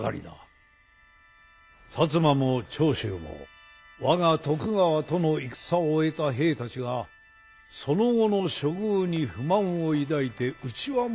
摩も長州も我が徳川との戦を終えた兵たちがその後の処遇に不満を抱いて内輪もめを起こしましてね。